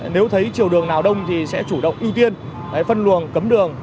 nếu thấy chiều đường nào đông thì sẽ chủ động ưu tiên phân luồng cấm đường